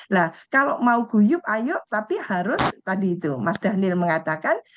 nah kalau mau guyup ayo tapi harus tadi itu mas daniel mengatakan